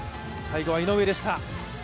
最後は井上でした。